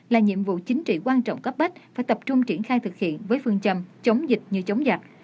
là nhiệm vụ chính trị quan trọng cấp bách phải tập trung triển khai thực hiện với phương châm chống dịch như chống giặc